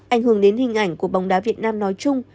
ảnh hưởng đến hình ảnh của bóng đá việt nam nói chung